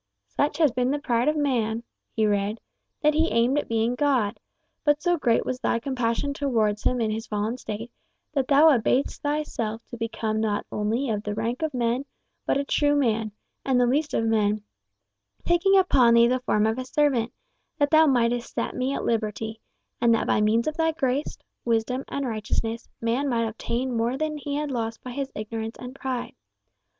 "Such has been the pride of man," he read, "that he aimed at being God; but so great was thy compassion towards him in his fallen state, that thou abasedst thyself to become not only of the rank of men, but a true man, and the least of men, taking upon thee the form of a servant, that thou mightest set me at liberty, and that by means of thy grace, wisdom, and righteousness, man might obtain more than he had lost by his ignorance and pride....